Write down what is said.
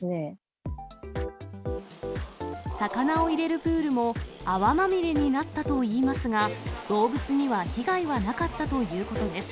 魚を入れるプールも、泡まみれになったといいますが、動物には被害はなかったということです。